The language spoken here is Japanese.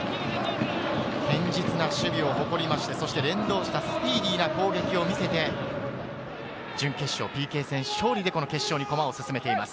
堅実な守備を誇りまして、連動したスピーディーな攻撃を見せて、準決勝、ＰＫ戦勝利で決勝に駒を進めています。